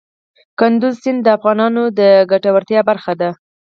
کندز سیند د افغانانو د ګټورتیا برخه ده.